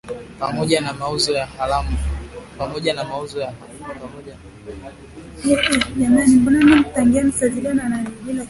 Pamoja na mauzo haramu ya silaha, washtakiwa hao pia wanashtakiwa kwa uhalifu wa vita.